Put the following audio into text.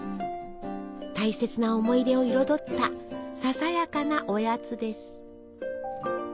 大切な思い出を彩ったささやかなおやつです。